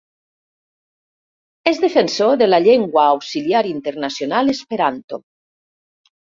És defensor de la llengua auxiliar internacional esperanto.